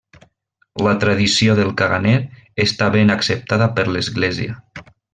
La tradició del caganer està ben acceptada per l'Església.